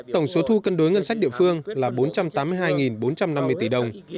tổng số thu cân đối ngân sách địa phương là bốn trăm tám mươi hai bốn trăm năm mươi tỷ đồng